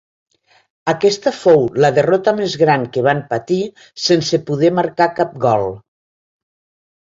Aquesta fou la derrota més gran que van patir sense poder marcar cap gol.